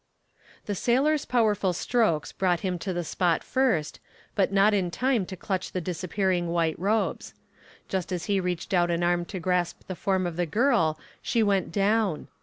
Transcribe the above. The sailor's powerful strokes brought him to the spot first, but not in time to clutch the disappearing white robes. Just as he reached out an arm to grasp the form of the girl she went down.